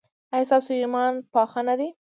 ایا ستاسو ایمان پاخه نه دی؟